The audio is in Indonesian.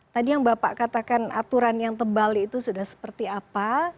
tadi yang bapak katakan aturan yang tebal itu sudah seperti apa